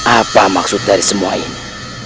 apa maksud dari semua ini